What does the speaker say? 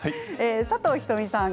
佐藤仁美さん。